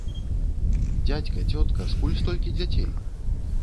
Дзядзька, цётка, скуль столькі дзяцей?